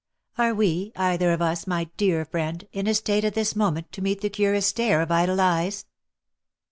— Are we, either of us, my dear friend, in a state at this moment to meet the curious stare of idle eyes